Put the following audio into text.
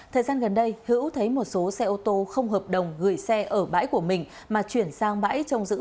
thời gian gần đây hữu thấy một số xe ô tô không hợp đồng gửi xe ở bãi của mình mà chuyển sang bãi trồng giữ